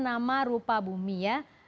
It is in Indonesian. ternyata ada rupa rupa bumi yang dibakukan namanya